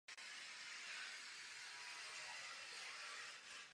Bratrem byl Štěpán Šlik.